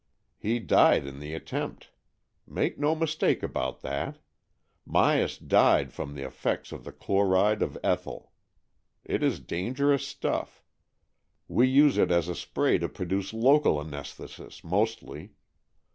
He died in the attempt. Make no mistake about that. Myas died from the effects of the chloride of ethyl. It is dangerous stuff. We use it as a spray to produce local anaesthesis mostly.